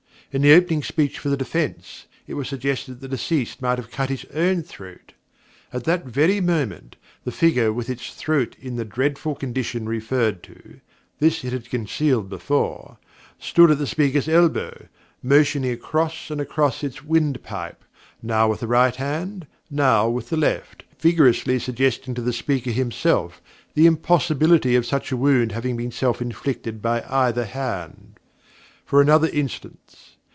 In the opening speech for the defence, it was suggested that the deceased might have cut his own throat. At that very moment, the figure with its throat in the dreadful condition referred to (this it had concealed before) stood at the speaker's elbow, motioning across and across its windpipe, now with the right hand, now with the left, vigorously suggesting to the speaker himself, the impossibility of such a wound having been self inflicted by either hand. For another instance.